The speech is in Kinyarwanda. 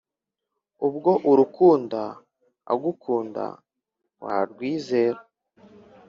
ubwo urukunda agukunda warwizera